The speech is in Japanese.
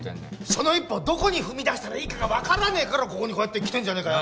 その一歩をどこに踏み出したらいいかがわからねえからここにこうやって来てんじゃねえかよ。